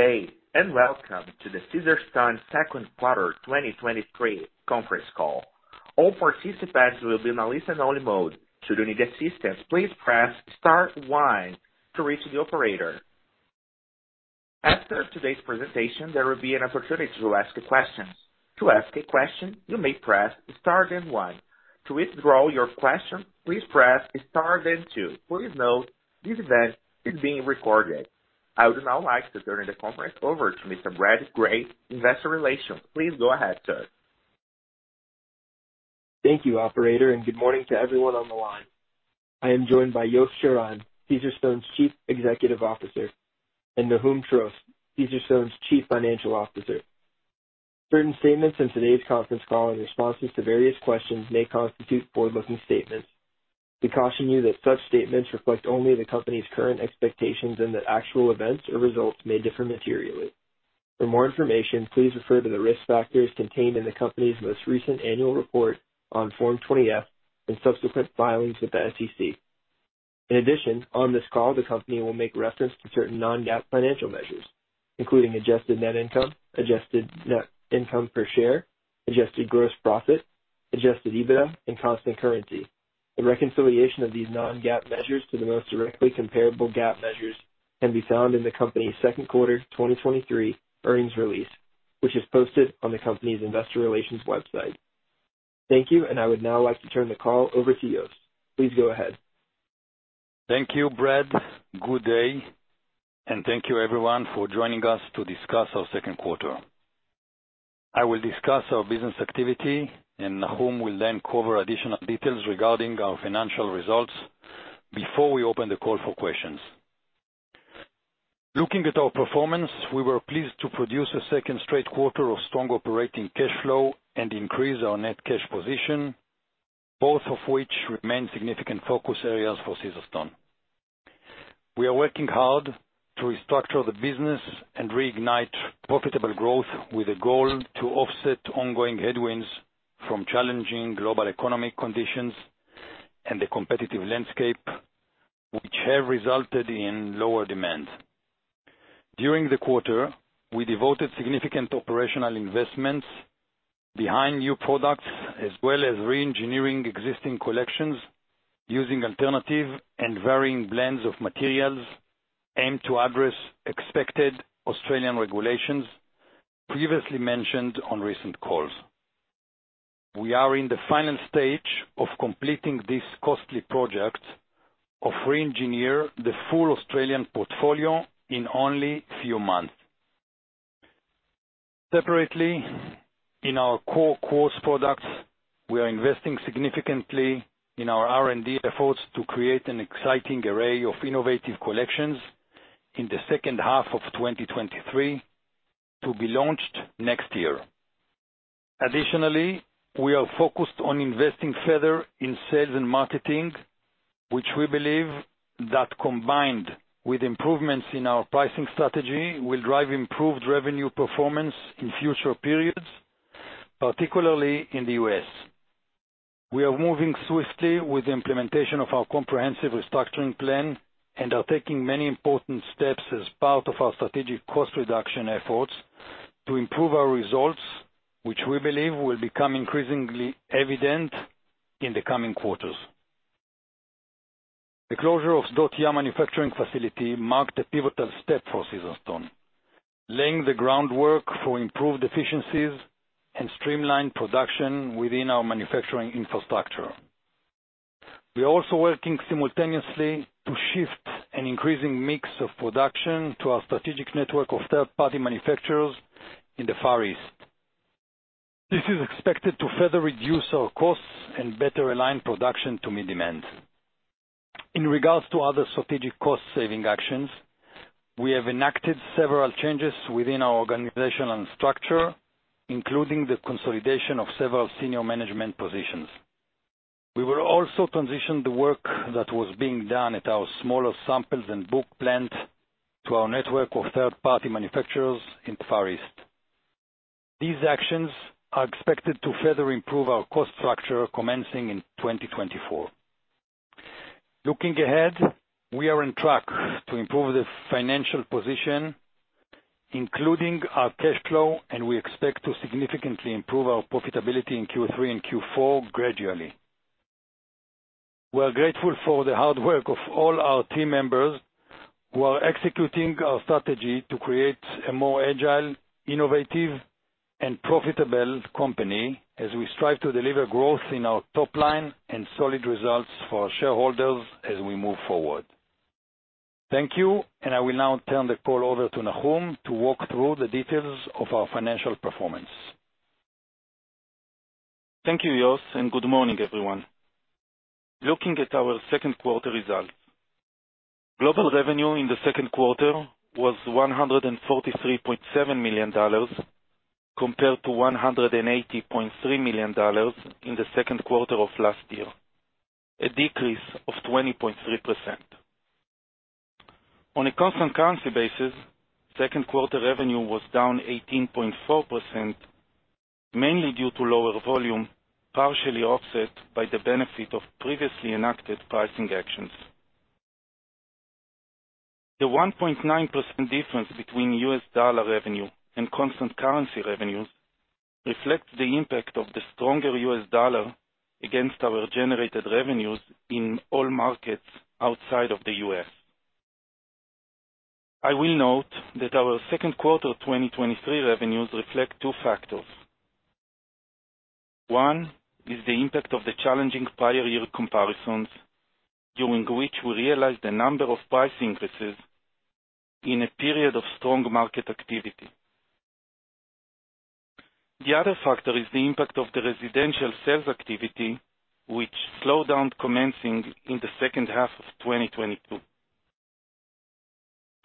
Good day, and welcome to the Caesarstone second quarter 2023 conference call. All participants will be in a listen only mode. Should you need assistance, please press star 1 to reach the operator. After today's presentation, there will be an opportunity to ask questions. To ask a question, you may press star then 1. To withdraw your question, please press star then 2. Please note, this event is being recorded. I would now like to turn the conference over to Mr. Brad Cray, Investor Relations. Please go ahead, sir. Thank you, operator, and good morning to everyone on the line. I am joined by Yos Shiran, Caesarstone's Chief Executive Officer, and Nahum Trost, Caesarstone's Chief Financial Officer. Certain statements in today's conference call and responses to various questions may constitute forward-looking statements. We caution you that such statements reflect only the company's current expectations and that actual events or results may differ materially. For more information, please refer to the risk factors contained in the company's most recent annual report on Form 20-F and subsequent filings with the SEC. In addition, on this call, the company will make reference to certain non-GAAP financial measures, including adjusted net income, adjusted net income per share, adjusted gross profit, adjusted EBITDA, and constant currency. A reconciliation of these non-GAAP measures to the most directly comparable GAAP measures can be found in the company's second quarter 2023 earnings release, which is posted on the company's investor relations website. Thank you, I would now like to turn the call over to Yos. Please go ahead. Thank you, Brad. Good day, and thank you everyone for joining us to discuss our second quarter. I will discuss our business activity, Nahum will then cover additional details regarding our financial results before we open the call for questions. Looking at our performance, we were pleased to produce a second straight quarter of strong operating cash flow and increase our net cash position, both of which remain significant focus areas for Caesarstone. We are working hard to restructure the business and reignite profitable growth with a goal to offset ongoing headwinds from challenging global economic conditions and the competitive landscape, which have resulted in lower demand. During the quarter, we devoted significant operational investments behind new products, as well as re-engineering existing collections using alternative and varying blends of materials, aimed to address expected Australian regulations previously mentioned on recent calls. We are in the final stage of completing this costly project of re-engineer the full Australian portfolio in only a few months. Separately, in our core quartz products, we are investing significantly in our R&D efforts to create an exciting array of innovative collections in the second half of 2023, to be launched next year. Additionally, we are focused on investing further in sales and marketing, which we believe that combined with improvements in our pricing strategy, will drive improved revenue performance in future periods, particularly in the US. We are moving swiftly with the implementation of our comprehensive restructuring plan and are taking many important steps as part of our strategic cost reduction efforts to improve our results, which we believe will become increasingly evident in the coming quarters. The closure of Sdot-Yam manufacturing facility marked a pivotal step for Caesarstone, laying the groundwork for improved efficiencies and streamlined production within our manufacturing infrastructure. We are also working simultaneously to shift an increasing mix of production to our strategic network of third-party manufacturers in the Far East. This is expected to further reduce our costs and better align production to meet demand. In regards to other strategic cost-saving actions, we have enacted several changes within our organizational structure, including the consolidation of several senior management positions. We will also transition the work that was being done at our smaller samples and book plant to our network of third-party manufacturers in the Far East. These actions are expected to further improve our cost structure, commencing in 2024. Looking ahead, we are on track to improve the financial position, including our cash flow, and we expect to significantly improve our profitability in Q3 and Q4 gradually. We are grateful for the hard work of all our team members who are executing our strategy to create a more agile, innovative and profitable company as we strive to deliver growth in our top line and solid results for our shareholders as we move forward. Thank you, and I will now turn the call over to Nahum to walk through the details of our financial performance. Thank you, Yoav. Good morning, everyone. Looking at our second quarter results. Global revenue in the second quarter was $143.7 million, compared to $180.3 million in the second quarter of last year, a decrease of 20.3%. On a constant currency basis, second quarter revenue was down 18.4% mainly due to lower volume, partially offset by the benefit of previously enacted pricing actions. The 1.9% difference between US dollar revenue and constant currency revenues reflects the impact of the stronger US dollar against our generated revenues in all markets outside of the U.S. I will note that our second quarter 2023 revenues reflect two factors. One, is the impact of the challenging prior year comparisons, during which we realized a number of price increases in a period of strong market activity. The other factor is the impact of the residential sales activity, which slowed down commencing in the second half of 2022.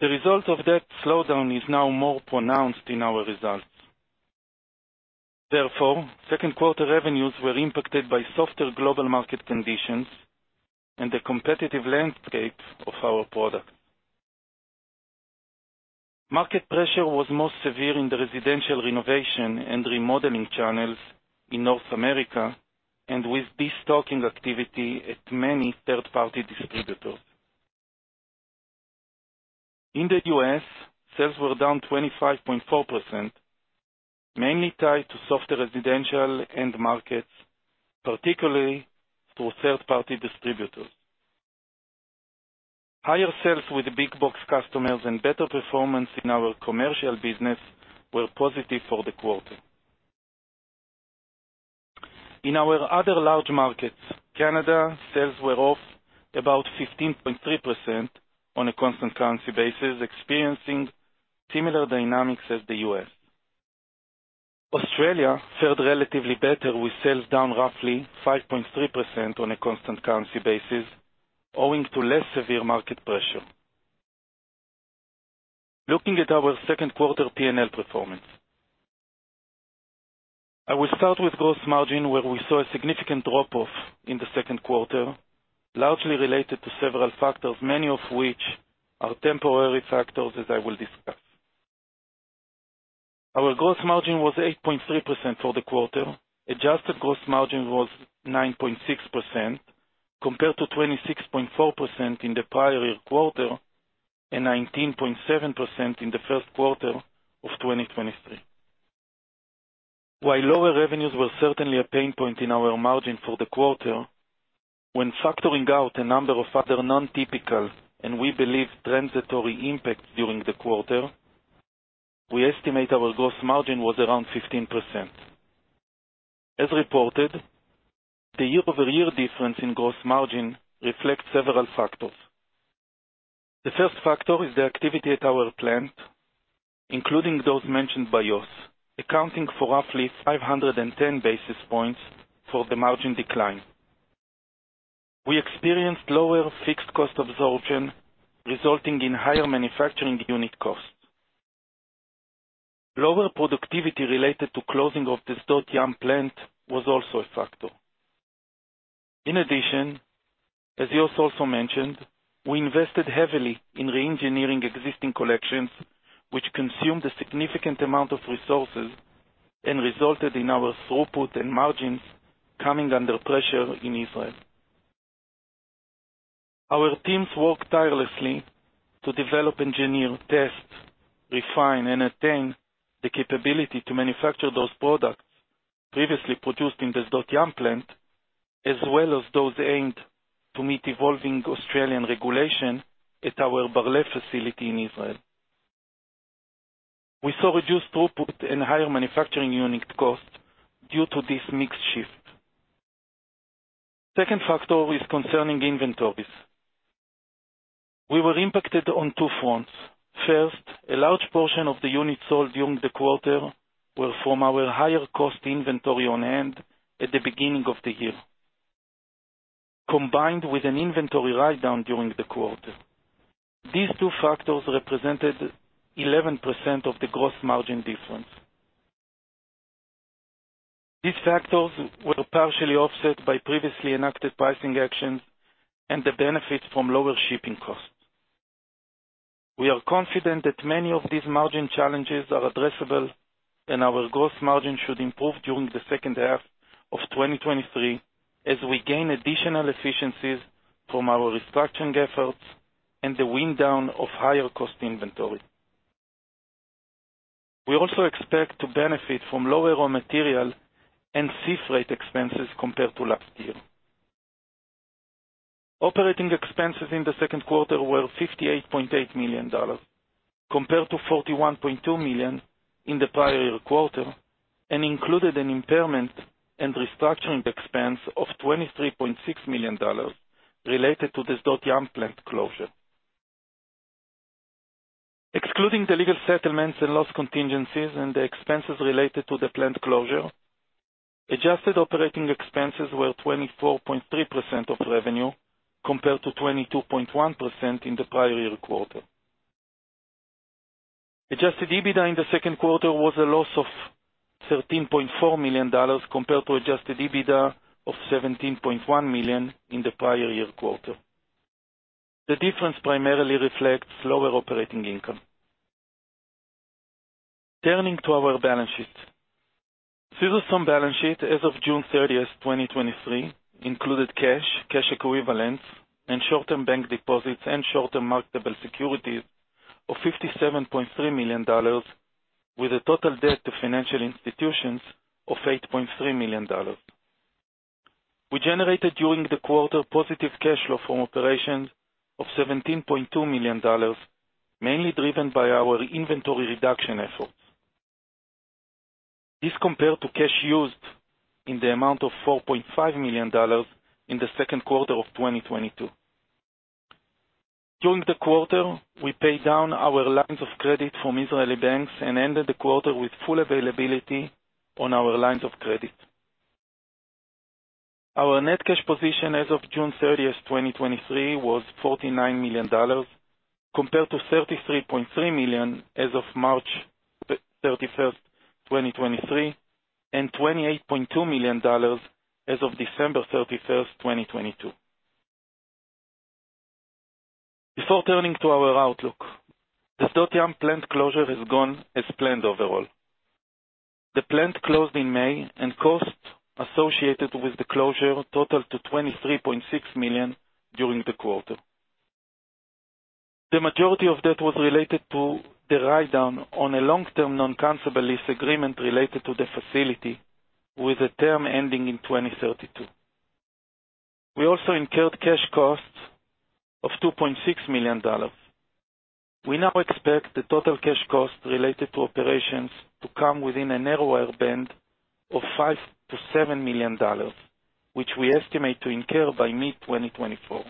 The result of that slowdown is now more pronounced in our results. Therefore, second quarter revenues were impacted by softer global market conditions and the competitive landscape of our products. Market pressure was most severe in the residential renovation and remodeling channels in North America, and with destocking activity at many third-party distributors. In the US, sales were down 25.4%, mainly tied to softer residential end markets, particularly through third-party distributors. Higher sales with the big box customers and better performance in our commercial business were positive for the quarter. In our other large markets, Canada sales were off about 15.3% on a constant currency basis, experiencing similar dynamics as the US. Australia fared relatively better, with sales down roughly 5.3% on a constant currency basis, owing to less severe market pressure. Looking at our second quarter PNL performance. I will start with gross margin, where we saw a significant drop-off in the second quarter, largely related to several factors, many of which are temporary factors, as I will discuss. Our gross margin was 8.3% for the quarter. Adjusted gross margin was 9.6%, compared to 26.4% in the prior year quarter, and 19.7% in the first quarter of 2023. While lower revenues were certainly a pain point in our margin for the quarter, when factoring out a number of other non-typical, and we believe transitory impacts during the quarter, we estimate our gross margin was around 15%. As reported, the year-over-year difference in gross margin reflects several factors. The first factor is the activity at our plant, including those mentioned by Yos, accounting for roughly 510 basis points for the margin decline. We experienced lower fixed cost absorption, resulting in higher manufacturing unit costs. Lower productivity related to closing of the Sdot Yam plant was also a factor. In addition, as Yos also mentioned, we invested heavily in reengineering existing collections, which consumed a significant amount of resources and resulted in our throughput and margins coming under pressure in Israel. Our teams worked tirelessly to develop, engineer, test, refine, and attain the capability to manufacture those products previously produced in the Sdot Yam plant, as well as those aimed to meet evolving Australian regulation at our Bar Lev facility in Israel. We saw reduced throughput and higher manufacturing unit costs due to this mixed shift. Second factor is concerning inventories. We were impacted on two fronts. First, a large portion of the units sold during the quarter were from our higher cost inventory on hand at the beginning of the year, combined with an inventory write-down during the quarter. These two factors represented 11% of the gross margin difference. These factors were partially offset by previously enacted pricing actions and the benefits from lower shipping costs. We are confident that many of these margin challenges are addressable, and our gross margin should improve during the second half of 2023 as we gain additional efficiencies from our restructuring efforts and the wind down of higher cost inventory. We also expect to benefit from lower raw material and sea freight expenses compared to last year. Operating expenses in the second quarter were $58.8 million, compared to $41.2 million in the prior year quarter, and included an impairment and restructuring expense of $23.6 million related to the Sdot Yam plant closure. Excluding the legal settlements and loss contingencies and the expenses related to the plant closure, adjusted operating expenses were 24.3% of revenue, compared to 22.1% in the prior year quarter. Adjusted EBITDA in the second quarter was a loss of $13.4 million, compared to adjusted EBITDA of $17.1 million in the prior year quarter. The difference primarily reflects lower operating income. Turning to our balance sheet. Caesarstone balance sheet as of June 30, 2023, included cash, cash equivalents, and short-term bank deposits and short-term marketable securities of $57.3 million, with a total debt to financial institutions of $8.3 million. We generated, during the quarter, positive cash flow from operations of $17.2 million, mainly driven by our inventory reduction efforts. This compared to cash used in the amount of $4.5 million in the second quarter of 2022. During the quarter, we paid down our lines of credit from Israeli banks and ended the quarter with full availability on our lines of credit. Our net cash position as of June 30th, 2023, was $49 million, compared to $33.3 million as of March 31st, 2023, and $28.2 million as of December 31st, 2022. Before turning to our outlook, the Doty plant closure has gone as planned overall. The plant closed in May, and costs associated with the closure totaled to $23.6 million during the quarter. The majority of that was related to the write-down on a long-term non-cancellable lease agreement related to the facility, with a term ending in 2032. We also incurred cash costs of $2.6 million. We now expect the total cash cost related to operations to come within a narrower band of $5 million-$7 million, which we estimate to incur by mid-2024.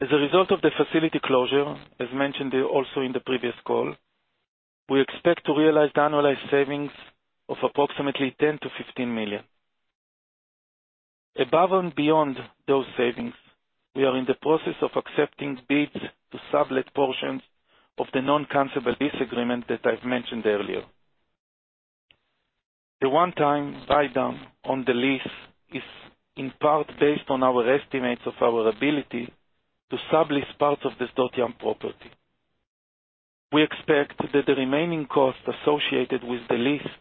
As a result of the facility closure, as mentioned also in the previous call, we expect to realize annualized savings of approximately $10 million-$15 million. Above and beyond those savings, we are in the process of accepting bids to sublet portions of the non-cancellable lease agreement that I've mentioned earlier. The one-time write-down on the lease is in part based on our estimates of our ability to sublease parts of this Sdot-Yam property. We expect that the remaining costs associated with the lease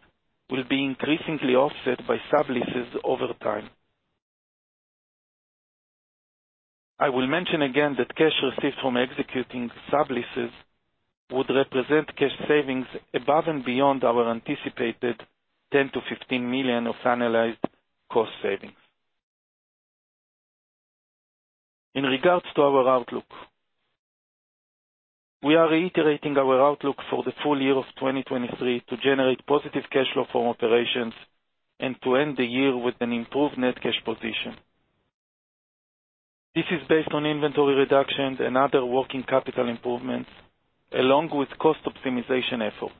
will be increasingly offset by subleases over time. I will mention again that cash received from executing subleases would represent cash savings above and beyond our anticipated $10 million-$15 million of annualized cost savings. In regards to our outlook, we are reiterating our outlook for the full year of 2023 to generate positive cash flow from operations and to end the year with an improved net cash position. This is based on inventory reductions and other working capital improvements, along with cost optimization efforts.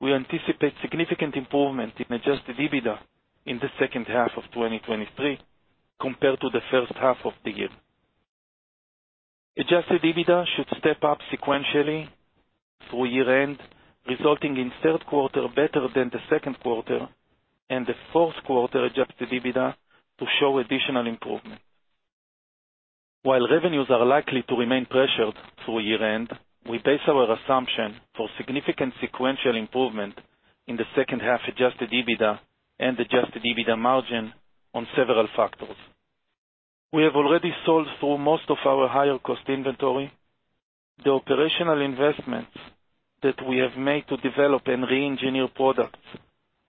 We anticipate significant improvement in adjusted EBITDA in the second half of 2023, compared to the first half of the year. Adjusted EBITDA should step up sequentially through year-end, resulting in third quarter better than the second quarter, and the fourth quarter adjusted EBITDA to show additional improvement. While revenues are likely to remain pressured through year-end, we base our assumption for significant sequential improvement in the second half adjusted EBITDA and adjusted EBITDA margin on several factors. We have already sold through most of our higher cost inventory. The operational investments that we have made to develop and reengineer products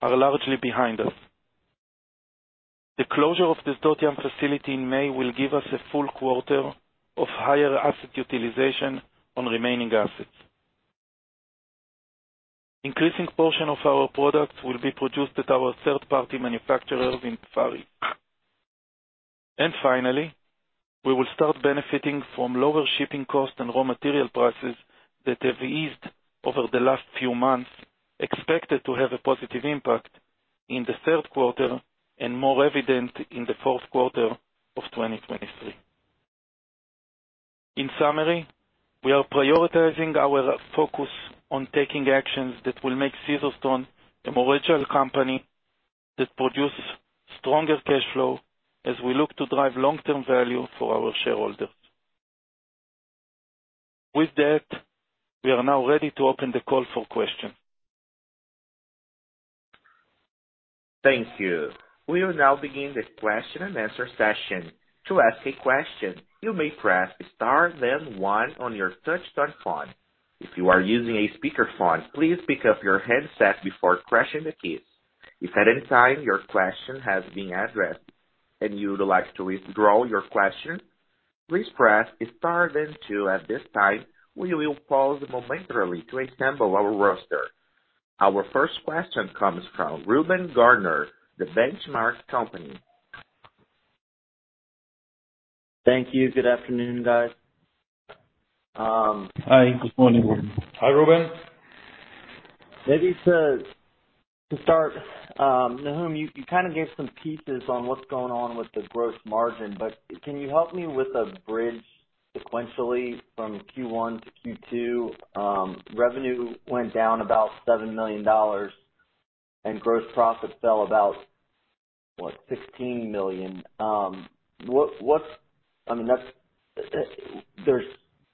are largely behind us. The closure of the Sdot-Yam facility in May will give us a full quarter of higher asset utilization on remaining assets. Increasing portion of our products will be produced at our third-party manufacturer in Far East. Finally, we will start benefiting from lower shipping costs and raw material prices that have eased over the last few months, expected to have a positive impact in the third quarter and more evident in the fourth quarter of 2023. In summary, we are prioritizing our focus on taking actions that will make Caesarstone a more agile company that produces stronger cash flow as we look to drive long-term value for our shareholders. With that, we are now ready to open the call for questions. Thank you. We will now begin the question and answer session. To ask a question, you may press star then one on your touchtone phone. If you are using a speakerphone, please pick up your headset before pressing the keys. If at any time your question has been addressed and you would like to withdraw your question, please press star then two. At this time, we will pause momentarily to assemble our roster. Our first question comes from Reuben Garner, The Benchmark Company. Thank you. Good afternoon, guys. Hi, good morning, Reuben. Hi, Reuben. Maybe to, to start, Nahum, you, you kind of gave some pieces on what's going on with the gross margin, but can you help me with a bridge sequentially from Q1 to Q2? Revenue went down about $7 million and gross profit fell about, what? $16 million. What, what's— I mean, that's, there's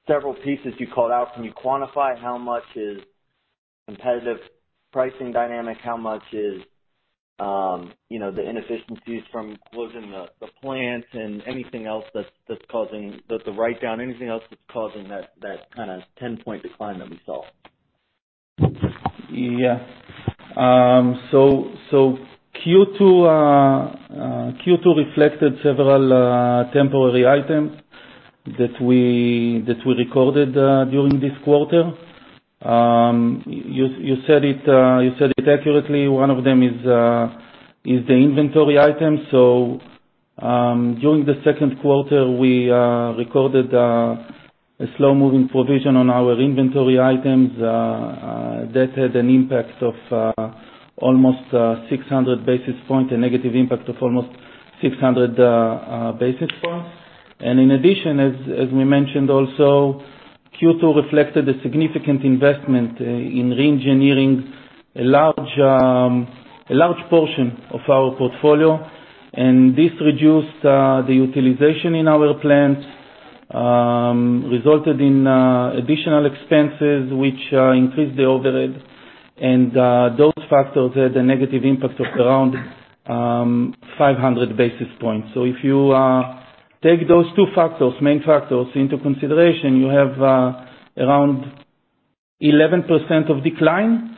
several pieces you called out. Can you quantify how much is competitive pricing dynamic? How much is, you know, the inefficiencies from closing the, the plant and anything else that's, that's causing the, the write down, anything else that's causing that, that kind of 10-point decline that we saw? Yeah. Q2 reflected several temporary items that we recorded during this quarter. You said it, you said it accurately. One of them is the inventory item. During the second quarter, we recorded a slow-moving provision on our inventory items that had an impact of almost 600 basis points, a negative impact of almost 600 basis points. In addition, as we mentioned also, Q2 reflected a significant investment in reengineering a large portion of our portfolio, and this reduced the utilization in our plants, resulted in additional expenses, which increased the overhead, and those factors had a negative impact of around 500 basis points. If you take those two factors, main factors into consideration, you have around 11% of decline,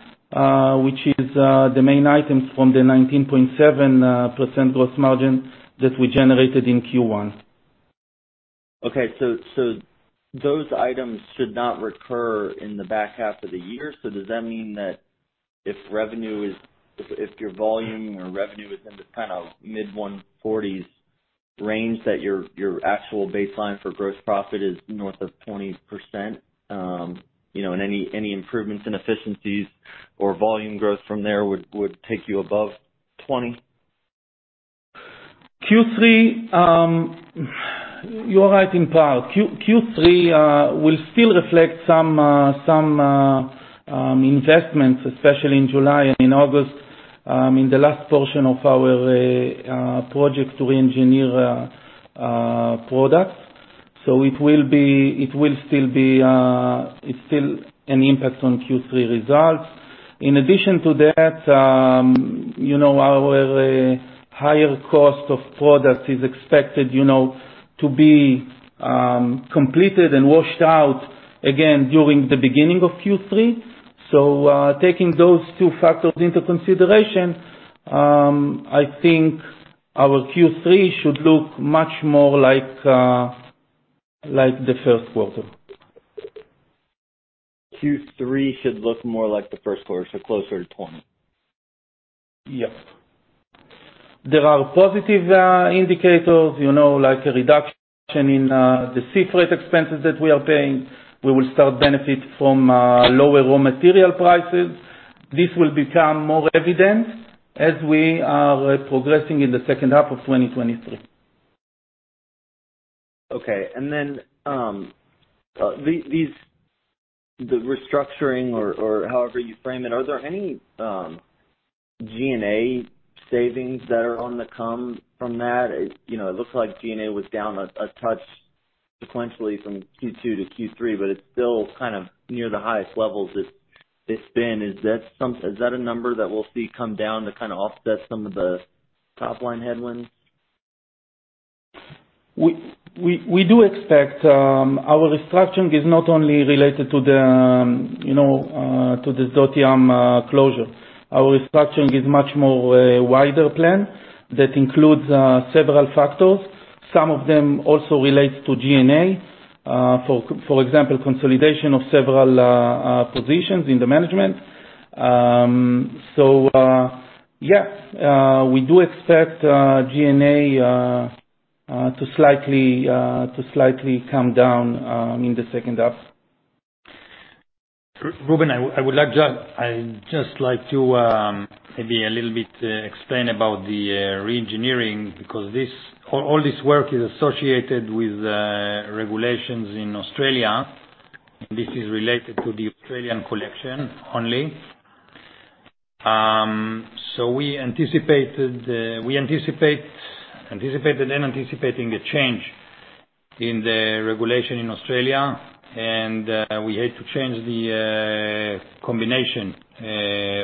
which is the main items from the 19.7% gross margin that we generated in Q1. Those items should not recur in the back half of the year. Does that mean that if revenue is, if, if your volume or revenue is in the kind of mid-140s range, that your, your actual baseline for gross profit is north of 20%, you know, and any improvements in efficiencies or volume growth from there would take you above 20? Q3, you are right in part. Q3 will still reflect some, some investments, especially in July and in August, in the last portion of our project to reengineer products. It will be, it will still be, it's still an impact on Q3 results. In addition to that, you know, our higher cost of product is expected, you know, to be completed and washed out again during the beginning of Q3. Taking those two factors into consideration, I think our Q3 should look much more like the first quarter. Q3 should look more like the first quarter, so closer to 20. Yes. There are positive indicators, you know, like a reduction in the sea freight expenses that we are paying. We will start benefit from lower raw material prices. This will become more evident as we are progressing in the second half of 2023. Okay. The restructuring or, however you frame it, are there any G&A savings that are on the come from that? You know, it looks like G&A was down a touch sequentially from Q2 to Q3, but it's still kind of near the highest levels it's been. Is that a number that we'll see come down to kind of offset some of the top-line headwinds? We, we, we do expect, our restructuring is not only related to the, you know, to the Sdot Yam closure. Our restructuring is much more, wider plan that includes several factors. Some of them also relates to G&A, for, for example, consolidation of several positions in the management. Yes, we do expect G&A to slightly, to slightly come down in the second half. Reuben, I would, I would like just, I'd just like to maybe a little bit explain about the reengineering, because this, all, all this work is associated with regulations in Australia. This is related to the Australian collection only. We anticipated, we anticipate, anticipated and anticipating a change in the regulation in Australia, we had to change the combination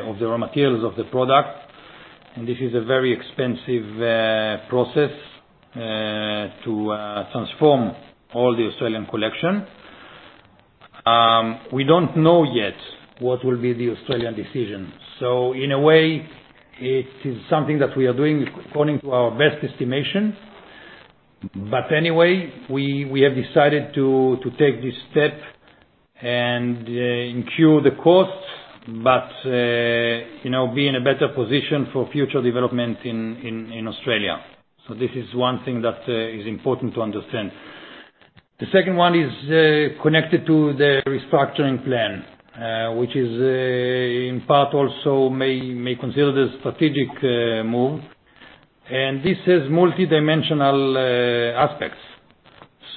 of the raw materials of the product. This is a very expensive process to transform all the Australian collection. We don't know yet what will be the Australian decision. In a way, it is something that we are doing according to our best estimation. we, we have decided to, to take this step and incur the costs, but, you know, be in a better position for future development in, in, in Australia. This is one thing that is important to understand. The second one is connected to the restructuring plan, which is in part also may, may consider the strategic move. This has multidimensional aspects.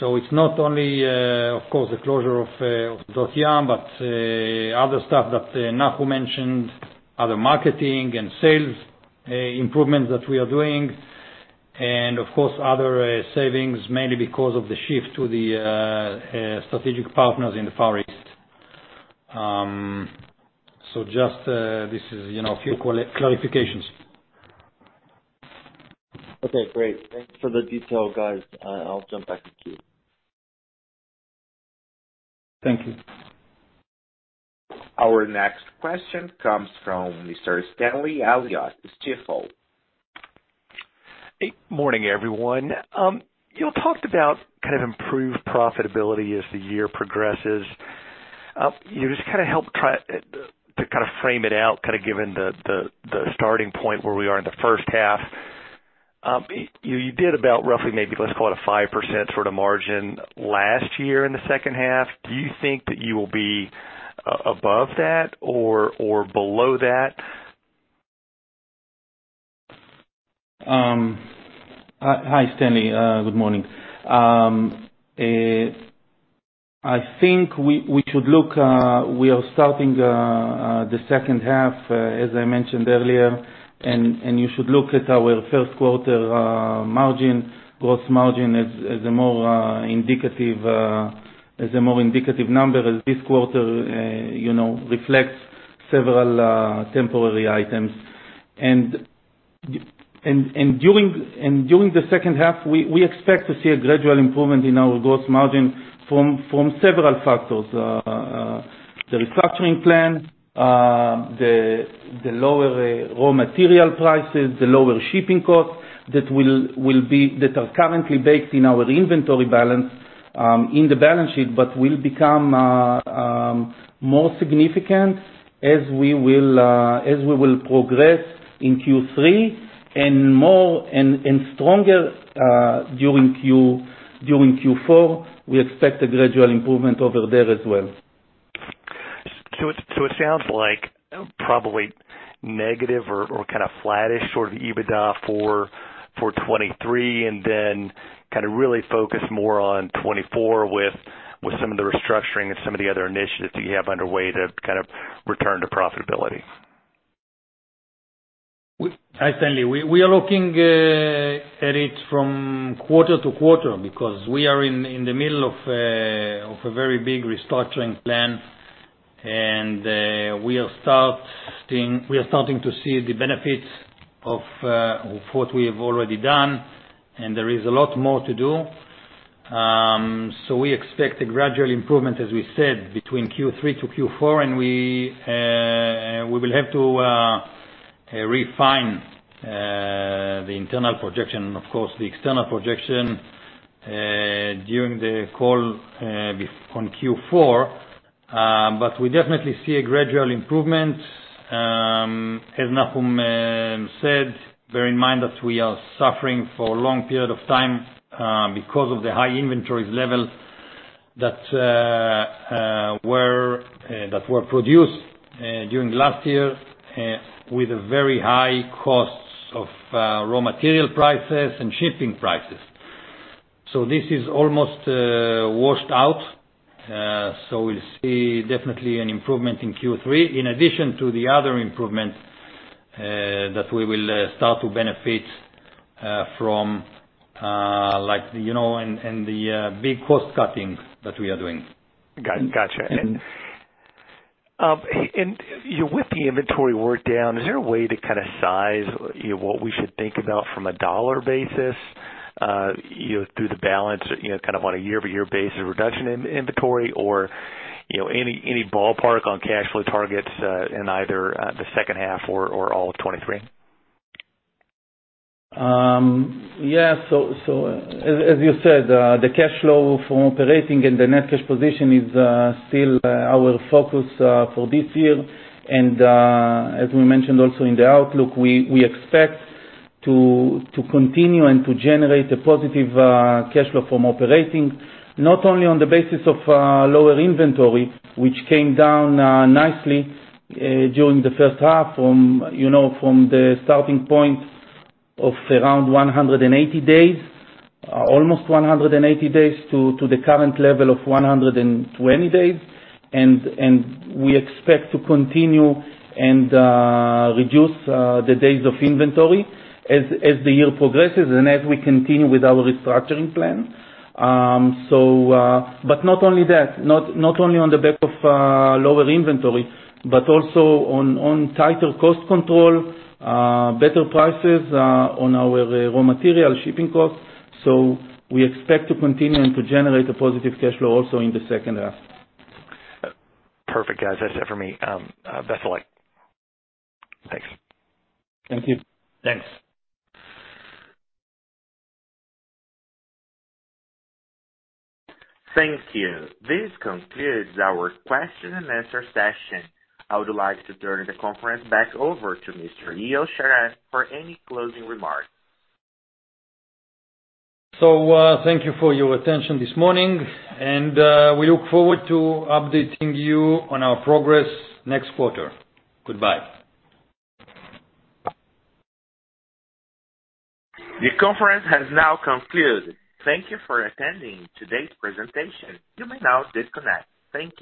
...It's not only, of course, the closure of Sdot Yam, but other stuff that Nahum mentioned, other marketing and sales improvements that we are doing, and of course, other savings, mainly because of the shift to the strategic partners in the Far East. Just this is, you know, a few quali- clarifications. Okay, great. Thanks for the detail, guys. I'll jump back to queue. Thank you. Our next question comes from Mr. Stanley Elliott, Stifel. Hey, morning, everyone. You'll talked about kind of improved profitability as the year progresses. You just kind of help try to kind of frame it out, kind of given the, the, the starting point where we are in the first half. You, you did about roughly, maybe let's call it a 5% sort of margin last year in the second half. Do you think that you will be above that or, or below that? Hi, Stanley. Good morning. I think we, we should look, we are starting the second half, as I mentioned earlier, and you should look at our first quarter margin, gross margin as a more indicative, as a more indicative number, as this quarter, you know, reflects several temporary items. During the second half, we expect to see a gradual improvement in our gross margin from several factors. The restructuring plan, the lower raw material prices, the lower shipping costs that will, will be, that are currently baked in our inventory balance, in the balance sheet, but will become more significant as we will progress in Q3, and more and, and stronger during Q4. We expect a gradual improvement over there as well. It sounds like probably negative or, or kind of flattish sort of EBITDA for, for 2023, and then kind of really focus more on 2024 with, with some of the restructuring and some of the other initiatives you have underway to kind of return to profitability. Hi, Stanley. We are looking at it from quarter to quarter, because we are in, in the middle of a very big restructuring plan, and we are starting, we are starting to see the benefits of what we have already done, and there is a lot more to do. We expect a gradual improvement, as we said, between Q3 to Q4, and we will have to refine the internal projection and of course, the external projection during the call on Q4. We definitely see a gradual improvement. As Nahum said, bear in mind that we are suffering for a long period of time because of the high inventories level that were produced during last year with a very high costs of raw material prices and shipping prices. So this is almost washed out, so we'll see definitely an improvement in Q3, in addition to the other improvements that we will start to benefit from, like, you know, and the big cost cutting that we are doing. Gotcha. You know, with the inventory work down, is there a way to kind of size, you know, what we should think about from a dollar basis, you know, through the balance, you know, kind of on a year-over-year basis, reduction in inventory or, you know, any, any ballpark on cash flow targets, in either, the second half or all of 2023? Yeah. So, as you said, the cash flow from operating and the net cash position is still our focus for this year. As we mentioned also in the outlook, we expect to continue and to generate a positive cash flow from operating, not only on the basis of lower inventory, which came down nicely during the first half from, you know, from the starting point of around 180 days, almost 180 days, to the current level of 120 days. And we expect to continue and reduce the days of inventory as the year progresses and as we continue with our restructuring plan. But not only that, not, not only on the back of, lower inventory, but also on, on tighter cost control, better prices, on our, raw material shipping costs. We expect to continue and to generate a positive cash flow also in the second half. Perfect, guys. That's it for me. Best of luck. Thanks. Thank you. Thanks. Thank you. This concludes our question and answer session. I would like to turn the conference back over to Mr. Yos Shiran for any closing remarks. Thank you for your attention this morning, and we look forward to updating you on our progress next quarter. Goodbye. The conference has now concluded. Thank you for attending today's presentation. You may now disconnect. Thank you.